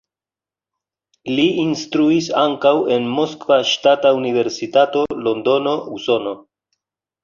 Li instruis ankaŭ en Moskva Ŝtata Universitato, Londono, Usono.